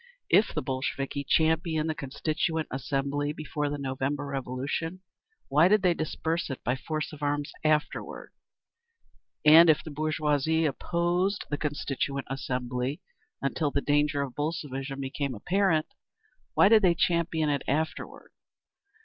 If the Bolsheviki championed the Constituent Assembly before the November Revolution, why did they disperse it by force of arms afterward? And if the bourgeoisie opposed the Constituent Assembly until the danger of Bolshevism became apparent, why did they champion it afterward?